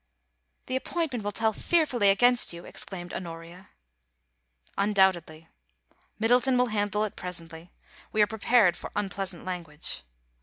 'The appointment will tell fearfully against you,' ex claimed Honoria. * Undoubtedly. Middleton will handle it presently. We are prepared for unpleasant language.'